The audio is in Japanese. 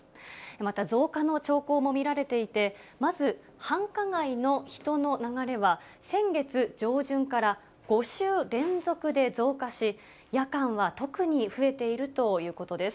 また増加の兆候も見られていて、まず繁華街の人の流れは、先月上旬から５週連続で増加し、夜間は特に増えているということです。